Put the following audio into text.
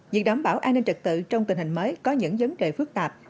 việc đảm bảo an ninh trật tự trong tình hình mới có những vấn đề phức tạp